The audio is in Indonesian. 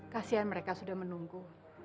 kasian mereka sudah menunggu